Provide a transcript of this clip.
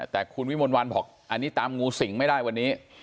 แต่คุณวิมลวันบอกอันนี้ตามงูสิงไม่ได้วันนี้